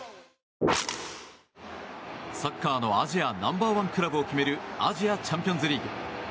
サッカーのアジアナンバー１クラブを決めるアジアチャンピオンズリーグ。